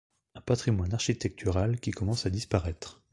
Un patrimoine architectural qui commence à disparaitre.